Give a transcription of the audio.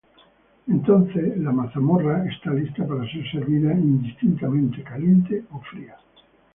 Entonces, la mazamorra está lista para ser servida, indistintamente caliente o fría.